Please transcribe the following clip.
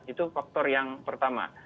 itu faktor yang pertama